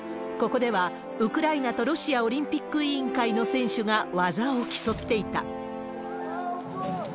ここでは、ウクライナとロシアオリンピック委員会の選手が技を競っていた。